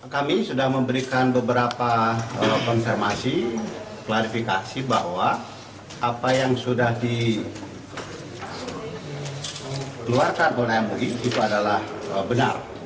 kami sudah memberikan beberapa konfirmasi klarifikasi bahwa apa yang sudah dikeluarkan oleh mui itu adalah benar